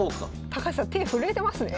高橋さん手震えてますね。